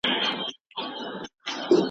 موږ د خپلو هنرمندانو په هنر ویاړو.